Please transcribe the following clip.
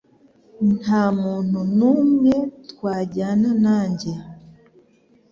Nta muntu numwe twajyana nanjye.